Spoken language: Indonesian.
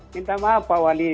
minta maaf pak wali